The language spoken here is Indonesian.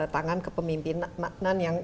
tangan kepemimpinan yang